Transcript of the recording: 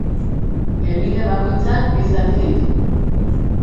Helbide bakoitzak bi zati ditu.